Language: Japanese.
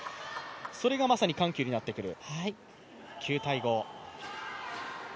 それがまさに緩急になってくる。